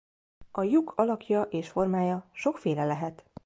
A lyuk alakja és formája sokféle lehet.